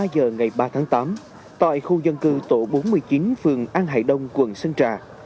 hai mươi giờ ngày ba tháng tám tại khu dân cư tổ bốn mươi chín phường an hải đông quận sơn trà